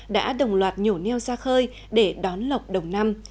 đã đồng loạt nhổ neo ra khơi để đón lọc đầu năm